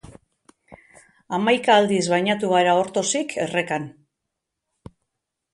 Hamaika aldiz bainatu gara ortozik errekan!